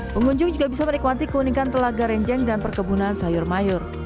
pengunjung juga bisa menikmati keunikan telaga renjeng dan perkebunan sayur mayur